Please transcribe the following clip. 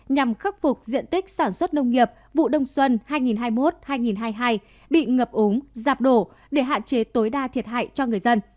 nhằm khắc phục diện tích sản xuất nông nghiệp vụ đông xuân hai nghìn hai mươi